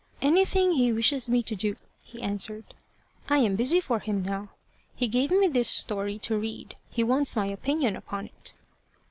"Anything he wishes me to do," he answered. "I am busy for him now. He gave me this story to read. He wants my opinion upon it."